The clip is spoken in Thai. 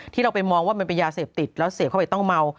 ที่เราไปมองว่ามันเป็นยาเสพติดแล้วเสพเข้าไปต้องเมา